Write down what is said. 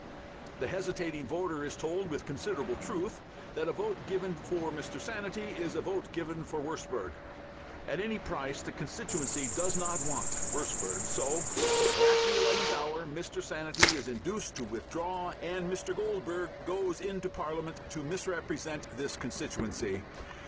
The hesitating voter is told, with considerable truth, that a vote given for Mr. Sanity is a vote given for Wurstberg. At any price the constituency does not want Wurstberg. So at the eleventh hour Mr. Sanity is induced to withdraw, and Mr. Goldbug goes into Parliament to misrepresent this constituency.